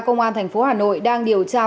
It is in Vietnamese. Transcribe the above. công an tp hà nội đang điều tra